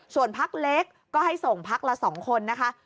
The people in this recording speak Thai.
ส่วนพักเล็กก็ให้ส่งพักละ๒คนนะคะ